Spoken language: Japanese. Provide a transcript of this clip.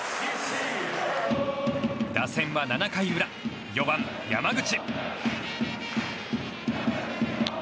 打線は７回裏４番、山口。